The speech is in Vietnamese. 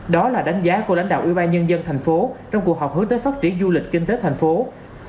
đó là đánh giá của lãnh đạo ubnd thành phố trong cuộc họp hướng tới phát triển du lịch kinh tế thành phố hồ chí minh